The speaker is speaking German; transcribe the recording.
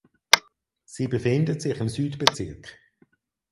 Sie befindet sich im Südbezirk.